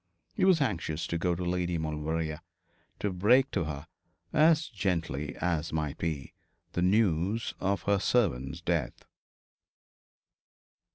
He was anxious to go to Lady Maulevrier, to break to her, as gently as might be, the news of her servant's death.